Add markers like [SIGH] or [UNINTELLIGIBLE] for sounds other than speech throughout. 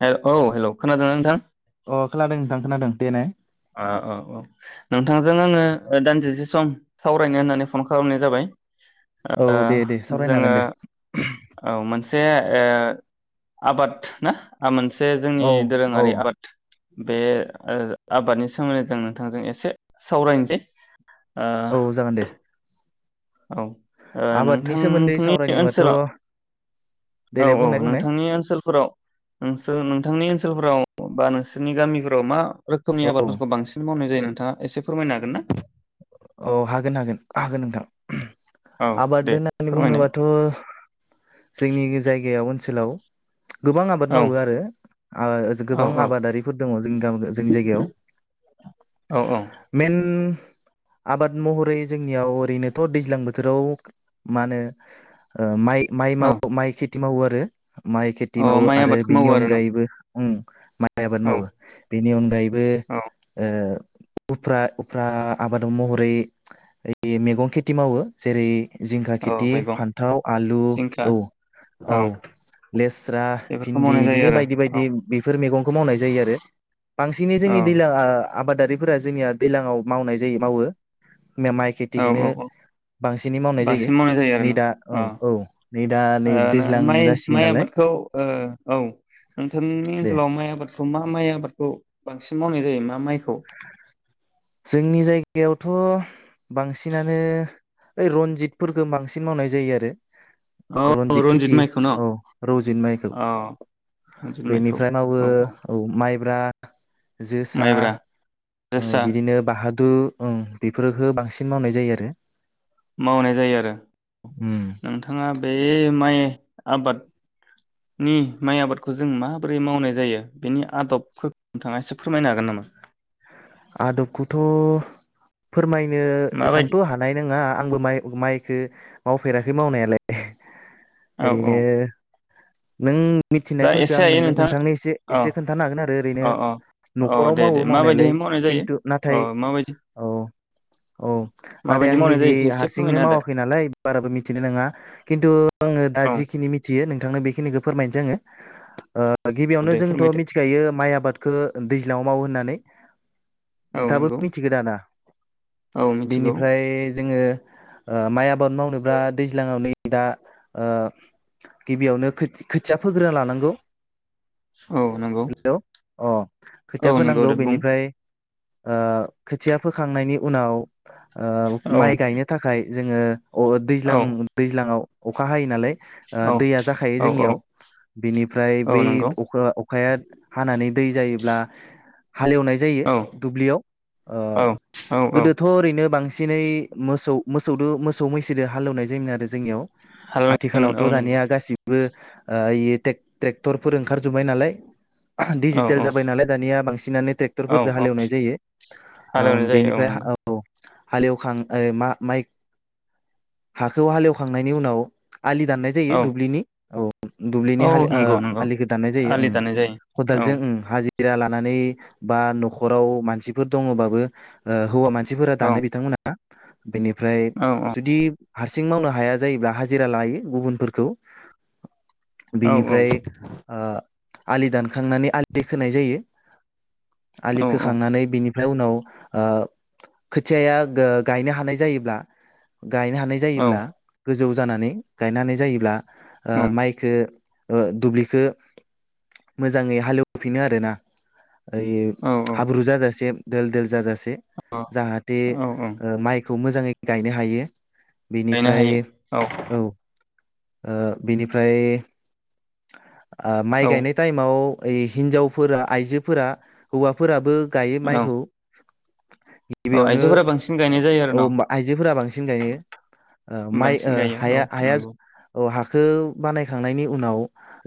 [UNINTELLIGIBLE] औ हेल' खोनादों ना नोंथां? अ खोनादों नोंथां खोनादों देनाय। [UNINTELLIGIBLE] नोंथांजों आङो ओ दानदिसे सम सावरायनो होननानै फन खालामनाय जाबाय। औ ओ दे दे सावरायनो जोङो हागोन दे। औ मोनसे ओ आबाद ना आमोन से जोंनि औ औ दोरोङारि आबाद। बे आबादनि सोमोन्दै जों नोंथांजों एसे सावरायनोसै। ओ औ जागोन दे। औ ओ आबादनि सोमोन्दै नोंथांनि सावरायनोबाथ' ओनसोलाव दे औ दे औ बुंनाय बुंनाय नोंथांनि ओनसोलफोराव [UNINTELLIGIBLE] सोलफ्राव बा नोंसोरनि गामिफोराव मा रोखोमनि औ आबादफोरखौ बांसिन मावनाय जायो नों थाङा एसे फोरमायनो हागोन ना? औ हागोन हागोन हागोन नोंथां। औ आबाद दे होननानै फोरमायनाय बुङोबाथ'। जोंनि जायगायाव। सोलाव। गोबां आबाद औ मावो आरो [UNINTELLIGIBLE] गोबां आबादारिफोर दङ जोंनि गा जोंनि जायगायाव औ औ मेन। आबाद महरै जोंनियाव ओरैनोथ' दैज्लां बोथोराव मा होनो ओ माइ। माइ औ माव माइ [UNINTELLIGIBLE] थि मावो आरो माइ खेथि औ मावो माइ आरो आबादखौ मावो बेनि आरो न अनगायैबो। उम [INAUDIBLE] माइ आबाद औ मावो बेनि अनगायैबो औ ओ [UNINTELLIGIBLE] आबादाव महरै मैगं खेथि मावो जेरै जिंखा औ खिथि मैगं फान्थाव आलु जिंखा औ औ लेस्रा बेफोरखौ भिन्दि मावनाय जायो बिदिनो आरो बायदि औ बायदि बेफोर मैगं। खौ मावनाय जायो आरो। बांसिनै औ जोंनि दैलांआ आबादारिफोरा जोंनिया दैलांयाव मावनाय दि मावो माइ औ खेथिखौनो औ औ बांसिनै मावनाय बांसिन मावनाय जायो आरो नै दा औ औ नै दा नै ना औ दैज्लां माइ जासिगोन माइ नालाय आबादखौ औ नोंथांनि दे ओनसोलाव माइ आबाद माखौ मा माइ आबादखौ बांसिन मावनाय जायो मा माइखौ जोंनि जायगायावथ' बांसिनानो ओइ रनजितफोरखौ बांसिन मावनाय जायो आरो औ रनजित खेथि माइखौ न औ रौजित माइखौ अ रनजित माइखौ बेनिफ्राय मावो औ औ माइ ब्रा जोसा माइब्रा ओ जोसा बिदिनो बाहादु ओं बेफोरफोरखौ बांसिन मावनाय जायो आरो मावनाय जायो आरो उम नोंथाङा बे माइ आबादनि माइ आबादखौ जों माबोरै मावनाय जायो बेनि आदबखौ नोंथाङा एसे फोरमायनो हागोन नामा आदबखौथ फोरमायनो माबायदि एसेबांथ हानाय नङा आंबो माइ माइखौ मावफेराखै मावनायालाय औ औ ओरैनो नों जा मिनिनायफोरखौ एसे आं हायो नोंनो नोंथां नोंथांनो एसे औ एसे खोन्थानो हागोन आरो ओरैनो औ औ औ नखराव दे दे मावो माबायदिहाय मावनायालाय मावनाय जायो खिन्थु नाथाय अ माबायदि औ औ नाथाय माबायदि आं मावनाय निजे जायो एसे हारसिंनो फोरमायना होदो मावाखै नालाय बाराबो मिथिनाय नङा खिन्थु आङो दा जिखिनि मिथियो नोंथनो बेखिनिखौ फोरमायनो औ गिबियावनो दे जोंथ फोरमायदो मिथिखायो माइ आबाद खौ दैज्लाङाव मावो होननानै औ नोंथाबो नंगौ मिथिगोन दाना औ मिथिगौ बिनिफ्राय जोङो माइ आबाद मावनोब्ला दैज्लाङाव नै दा गिबियावनो खोथिया फोग्रोना लानांगौ औ नंगौ हेलौ अ खोथिया औ नंगौ फोनांगौ दे बुं बेनिफ्राय खोथिया फोखांनायनि उनाव औ माइ गायनो थाखाय जोङो अ औ दैज्लां दैज्लांङाव अखा हायो नालाय औ दैया जाखायो औ औ जोंनियाव बिनिफ्राय औ बै नंगौ अखा अखाया हानानै दै जायोब्ला हालेवनाय जायो औ दुब्लियाव औ औ औ गोदोथ' ओरैनो बांसिन एसे एनै मोसौ मोसौ मोसौ मैसोजों हालेवनाय जायोमोन आरो जोंनियाव हालेवनाय जायोमोन आथिखालावथ औ नंगौ दानिया गासिब बो ओ ट्रेक्टरफोर ओंखारजोबबाय नालाय औ दिजिटेल औ जाबाय नालाय दानिया बांसिनानो औ टेक्टरफोरजों औ हालेवनाय जायो ओ हालेवनाय जायो बेनिफ्राय नंगौ औ हालेवखां माइ हाखौ हालेवखां नायनि उनाव आलि दानाय जायो औ दुब्लिनि औ दुब्लिनि औ नंगौ नंगौ आलिखौ दानाय उम आलि जायो दानाय औ खदालजों हाजिरा लानानै बा न'खराव मानसिफोर दङबाबो हौवा मान नसिफोरा औ दानो बिथांमोनहा बेनिफ्राय औ जुदि हारसिं मावनो हाया जायोब्ला हाजिरा लायो गुबुनफोरखौ औ बिनिफ्राय ओ आलि दान खांनानै आलि खोनाय जायो आलि औ खोखांनानै बिनि उनाव ओ खोथियाया गा-गायनो हानाय जायोब्ला गायनो हानाय औ जायोब्ला गोजौ जानानै गायनानै जायोब्ला ओ माइखो ओ दुब्लिखौ मोजाङै हालेवफिनो आरो ना ओइ औ हाब्रु जाजासे दोल दोल जाजासे जाहाथे औ औ ओ माइ खौ मोजाङै गायनो हायो गायनो बेनिफ्राय हायो औ ओ बेनिफ्राय ओ माइ औ गायनाय टाइमाव ओइ हिनजावफोरा आइजोफोरा हौवाफोराबो गायो माइखौ औ गिबियावनो आइजोफोरा बांसिन गायनाय जायो आरो औ न' आइजोफोरा बांसिन गायो ओ माइ बांसिन ओ गायो औ हाया-हाया नंगौ औ हाखौ बानायखांनायनि उनाव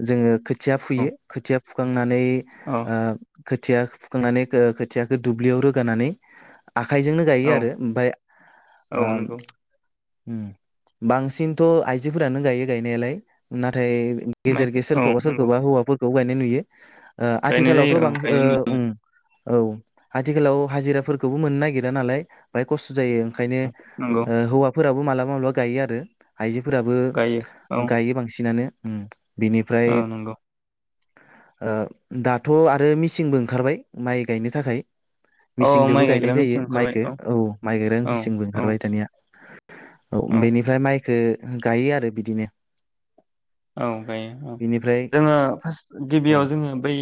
जोङो खोथिया औ फुयो खोथिया [UNINTELLIGIBLE] नानै औ ओ खोथिया फुखांनानै खो खोथियाखौ दुब्लियाव रोगानानै आखाइजोंनो औ गायो आरो ओमफाय औ ओ नंगौ ओम बांसिनथ' आइजोफोरानो गायो गायनायालाय ना थाय गेजेर माइखौ गे औ सोरखौबा नंगौ सोरखौबा हौवाफोरखौ बेखौ गायनाय नुयो। ओ गायनाय आथिखालावथ जायो औ बां ओ गायनाय नुयो उम । औ आथिखालाव हाजिराफोरखौबो मोननो नागिरा नालाय बाहाय खस्थ जायो। ओंखायनो नंगौ ओ हौवा फोराबो मलाबा मालाबा गायो आरो आइजोफोराबो गायो औ गायो बांसिनानो। उम बिनिफ्राय औ नंगौ ओ दाथ आरो मिसिनबो ओंखारबाय माइ गायनो थाखाय। औ माइ मेसिनदोबो गायग्रा गायनाय जायो मेचिन ओंखारबाय माइखौ औ माइ गायग्रा औ मेसिनबो औ ओंखारबाय दानिया। [UNINTELLIGIBLE] औ बेनिफ्राय माइ बखो गायो आरो बिदिनो। औ गायो औ बिनिफ्राय जोङो फार्स्ट औ गिबियाव जोङो बै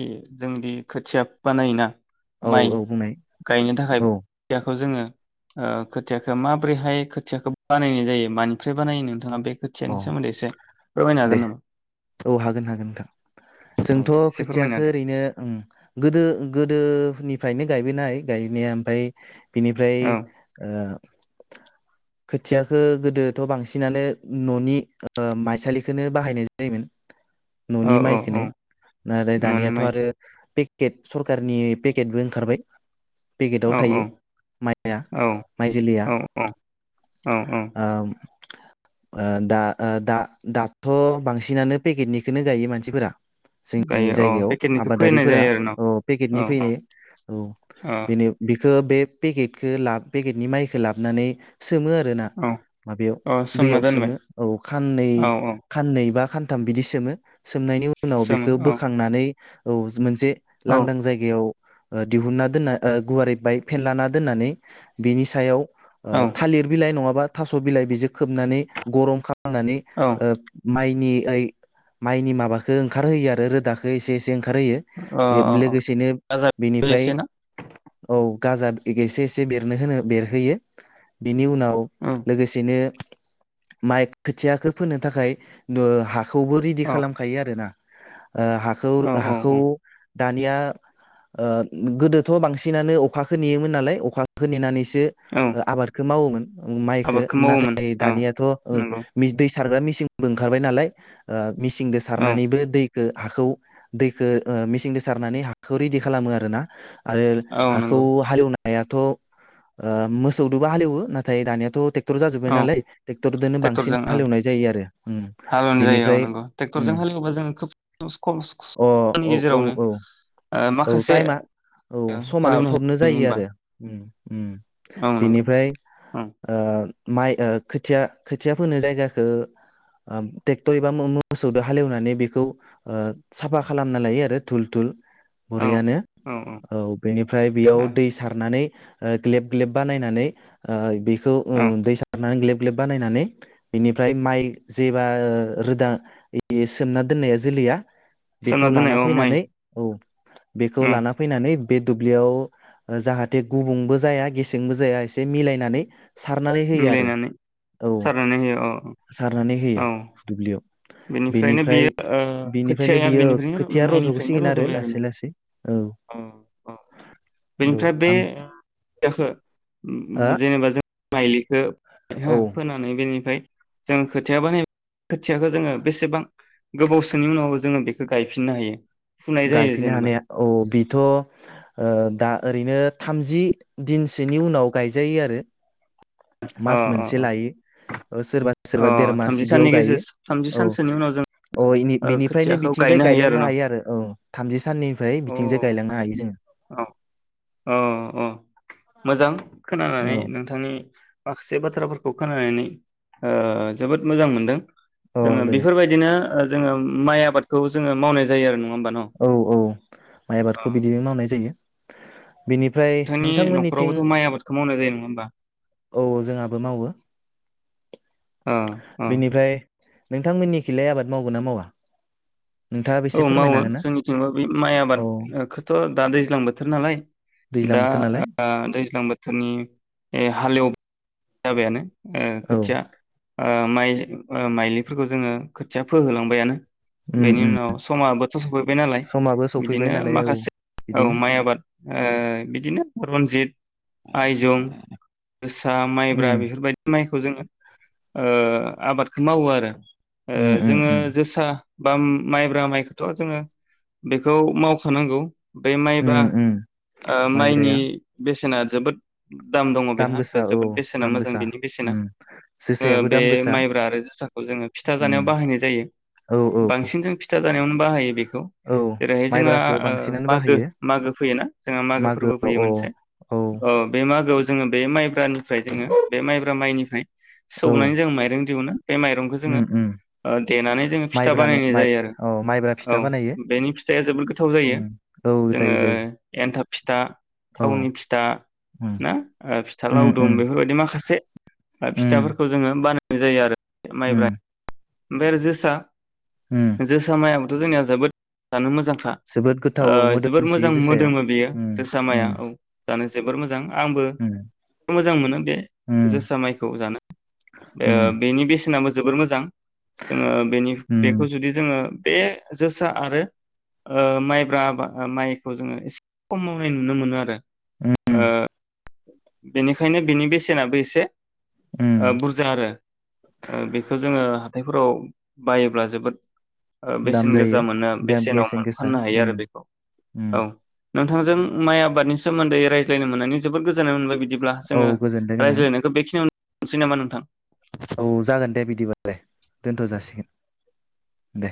जोंदि खोथिया बानायोना औ माइ औ बुंनाय गायनो थाखाय औ खोथियाखौ जोङो ओ खोथियाखौ माब्रैहाय खोथियाखौ बानायनाय जायो मानिफ्राय बानायो नोंथाङा बे खोथिया नि औ सोमोनदै एसे फोरमायनो हागोन दे नामा? औ हागोन हागोन नोंथां औ जोंथ दे एसे फोरमायना खोथियाखो होदो ओरैनो ओं गोदो गोदोनिफ्रायनो गायबोनाय गायनाया ओमफ्राय बिनिफ्राय औ ओ खोथियाखो गोदोथ बांसिनानो ननि ओ माइसालिखोनो बाहायनाय जायोमोन। औ ननि औ माइखौनो औ आरो न'नि दानियाथ माइ आरो बे केट सरखारनि पेकेटबो ओंखारबाय पेकेटाव औ थायो औ माइया औ माइजोलिया औ औ औ औ ओम ओ दा ओ दा दाथ बांसिनानो पेकेटनिखौनो गायो मानसिफोरा। जोंनि गायो औ जायगायाव पेकेटनिखौ फोनाय आबादारिफोरा जायो आरो न' ओ पेकेटनि औ औ फैनो औ औ बेनो बेख खो बे फेकेथखो ला पेकेटनि मायखो लाबोनानै स सोमो आरो ना औ माबायाव औ सोमना दैयाव दोनबाय सोमो औ खाननै औ औ खाननै नै बा खानथाम बिदि सोमो सोमनायनि उनाव सोमो बेखौ औ बोखांनानै औ मोनसे औ लांदां जायगायाव ओ दिहुनना दोनना ओ गुवारै बाय फेनलाना दोननानै बिनि सायाव ओ औ थालिर बिलाइ नङाब बा थास बिलाइ बिजों खोबनानै गरम खा नानै औ ओ माइनि फाय माइनि माबाखो ओंखारहोयो आरो रोदाखो एसे एसे ओंख खारहोयो अ बे अ लोगोसेनो गाजा बेरो बेनिफ्राय एसे ना औ गाजाब एसे एसे बेरनो होनो बेरहोयो बि नि उनाव औ लोगोसेनो माइ खोथियाखो फोनो थाखाय नु हा खौबो रेडि औ खालामखायो आरो ना ओ हाखौ औ औ औ हाखौ दानिया ओ गोदोथ' बांसिनानो अखाखो नेयोमोन नालाय अखो नेनानैसो औ सो आबादखौ मावोमोन। औ माइखो आबादखौ मावोमोन नाथाय जायो औ दानियाथ'ओ नंगौ [UNINTELLIGIBLE] दैस सारग्रा मिचिंबो ओंखारबाय नालाय ओ मिचिंजों औ सारनानैबो दै हाखौ दैखो मेसिंजों सारनानै हाखो रेडि खालामो आरोना आरो औ हाखौ नंगौ हालेवना याथ' मोसौदोबा हालेवो नाथाय दानियाथ' ट्रेक्टर औ नालाय ट्रेक्टरनो बांसिन ट्रेक्टरजों औ हालेवनाय जायो आरो उम हालेवनाय जायो औ बिनिफ्राय नंगौ ट्रेक्टरजों उम हालेवोबा जों खोब खम अ समनि औ औ गेजेरावनो औ ओ औ माखासे टाइमा औ समा हालेवनो थबनो हायो नङा जायो होमबा आरो औ नंगौ बेनिफ्राय औ ओ माइ खोथिया खोथिया फोनो जायगाखौ ट्रेक्टर एबा मोसौजों हालेवनानै बेखौ साफा खालामना लायो आरो धुल धुल औ बरियानो औ बेनिफ्राय बेयाव औ दै सारनानै ओ ग्लेब ग्लेब बानायनानै बे खौ औ दै सारना नानै ग्लेब ग्लेब बानायनानै बेनिफ्राय माइ जेबा रोदा सोमना दोननाया जोलैया सोमना बेखौ दोननाय लाना औ माइ फैनानै औ बेखौ औ लाना फैनानै बे दुब्लियाव जाहाथे गुबुंबो जाया गेसेंबो जाया एसे मिलायनानै सारनानै होयो आरो मिलायनानै औ सारनानै होयो औ सारनानै होयो औ दुब्लियाव। बेनिफ्रायनो बेयो ओ बिनिफ्राय-बिनिफ्रायनो खोथियाया बियो खोथिया रज'सिगोन आरो लासै लासै। औ औ-औ बेनिफ्राय बे खोथियाखो औ उम आं जेनेबा जों मायलिखो हो फोनानै बेनिफ्राय जों खोथियाबा नै खोथियाखौ जोंङो बेसेबां गोबावसोनि उनावबो जोंङो बेखौ गायफिननो हायो? फुनाय जायो गायफिननो जेनेबा हानाया औ बेथ' ओ दा ओरैनो थामजि दिनसोनि उनाव गायजायो आरो अ मास अ मोनसे अ लायो औ सोरबा सोरबा अ देर मास थामजि बिदियाव साननि गायो गेजेर थामजि सानसोनि उनाव जों औ-औ ओ बिनिफ्रायनो खोथियाखौ बिथिंजाय गायनो गायलांनो न' हायो आरो थामजि साननिफ्राय बिथिंजाय गायलांनो हायो जोंङो। औ-औ-औ। मोजां खोनानानै जोङो नोंथांनि माखासे बाथ्राफोरखौ खोनानानै ओ जोबोद मोजां मोनदों। औ जोंङो दे बेफोरबायदिनो ओ जोंङो माइ आबादखौ जोंङो मावनाय जायो आरो नंङा। औ औ माइ आबादखौ बिदिनो मावनाय जायो। बिनिफ्राय नोंथांनि नोंथांमोननिथिं न'खरावबोथ' माइ आबादखौ मावनाय जायो नङा होमबा [INAUDIBLE] औ जोंहाबो मावो। ओ ओ नोंथांमोननि खैलाय आबाद मावगोन ना मावा? नोंथाङा औ बेसे मावो फोरमायनो हागोन ना जोंनिथिंबो बे माइ औ आबादखौथ' दा दैज्लां बोथोर नालाय दैज्लां दा बोथोर नालाय दा दैज्लां बोथोरनि हालेव जाबायानो ओ औ खोथिया ओ माइ ओ माइलिफोरखौ जोंङो खोथिया फोहोलांबायानो। उम बेनि उम उनाव समाबो खाथि सफैबाय नालाय समाबो सफैबाय बिदिनो नालाय औ माखासे औ बिदिनो माइ आबाद ओ बिदिनो रनजित आइजं जोसा औ ब्रा उम बेफोरबायदिनो माइखौ जोङो ओ आबादखो मावो आरो ओ उम उम जोङो उम जोसा बा माइब्रा माइखोथ' जोङो बेखौ मावखानांगौ बे माइबा उम उम ओ माइनि माइब्राया बेसेना जोबोद दाम दङ बेहा गोसा औ जोबोद ना दाम मोजां गोसा बेनि बेसेना उम ओ जोसायाबो बे दाम गोसा माइब्रा आरो जोसा खौ जोङो फिथा उम जानायाव बाहायनाय जायो औ औ बांसिन जों फिथा जानायावनो बाहायो बे खौ औ जेरैहाय जोंहा माइब्राखो ओ बांसिनानो मागो बाहायो मागो फैयोना जोंहा मागो फोरबो मागोआव फैयो औ मोनसे औ बे ओ मागोआव जोङो बे माइब्रानि फ्राय जोङो बे माइब्रा माइनिफ्राय औ सौनानै जों माइरों दिहुनो। बे माइरंखो जोङो उम उम ओ देनानै जोङो फिथा माइब्रानो बानायनाय माइ जायो आरो औ माइब्रा औ फिथा बानायो बेनि फिथाया जोबोद गोथाव जायो उम औ जोङो जायो जायो एन्थाब फिथा औ थावनि फिथा उम ना ओ फिथा उम लाउ उम दं बे फोरबायदि माखासे ओ उम फिथाफोरखौ जोङो बानाय जायो आरो‌ माइब्रा उम आमफाय आरो जोसा उम [INAUDIBLE] जोसा माइया थ जोंनिया जोबोद जानो मोजां खा जोबोद गोथाव औ ओ जोबोद मोदोमसोयो मोजां जोसाया मोदोमो बेयो उम जोसा माया उम औ जानो जोबोर मोजां आंबो उम मोजां मोनो बे उम जोसा माइखौ जानो ओ उम बेनि बेसेना मो जोबोर मोजां। जोङो बेनि बेखौ जुदि जोङो बे जोसा आरो ओ माइब्रा आबा माइखौ जोङो एसे कम मावनाय नुनो मोनो आरो। उम उम ओ। बेनिखायनो बिनि बेसेनाबो एसे ओ उम बुरजा आरो ओ बिखो जोङो बेफोराव बायोब्ला जोबोद ओ दाम बेसेन गोसा जायो मोनो दाम बेसेनाव बेसेन मोन गोसा फाननो हायो उम आरो बेखौ उम औ। नोंथांजों माइ आबादनि सोमोन्दै रायज्लायनो मोननानै जोबोद गोजोननाय मोनबाय बि बिदिब्ला औ जोङो गोजोनदों गोजोनदों रायज्लायनायखौ बेखिनियाव सै नामा नोंथां? औ जागोन दे बिदिबालाय दोनथ जासिगोन दे